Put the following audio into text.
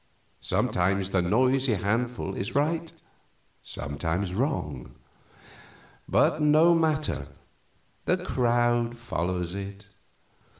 Sometimes the noisy handful is right, sometimes wrong; but no matter, the crowd follows it.